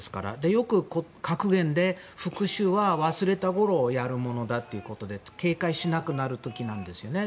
よく格言で復讐は忘れたころやるものだということで警戒しなくなる時なんですよね。